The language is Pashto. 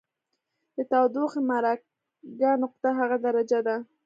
د تودوخې مرګ نقطه هغه درجه ده.